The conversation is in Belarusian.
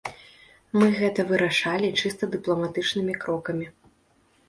Мы гэта вырашалі чыста дыпламатычнымі крокамі.